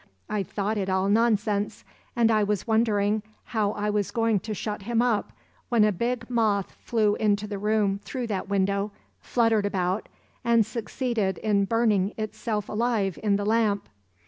I thought it all nonsense, and I was wondering how I was going to shut him up when a big moth flew into the room through that window, fluttered about, and succeeded in burning itself alive in the lamp.